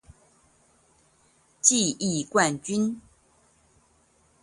記憶冠軍